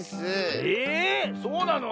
えそうなの？